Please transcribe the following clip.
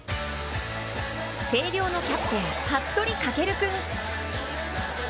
星稜のキャプテン服部翔君！